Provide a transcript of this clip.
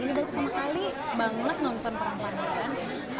ini pertama kali banget nonton perang pandan